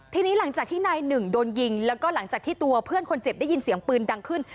ทีนี้หลังจากที่นายหนึ่งโดนยิงแล้วก็หลังจากที่ตัวเพื่อนคนเจ็บได้ยินเสียงปืนดังขึ้น